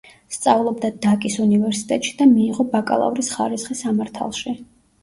სწავლობდა დაკის უნივერსიტეტში და მიიღო ბაკალავრის ხარისხი სამართალში.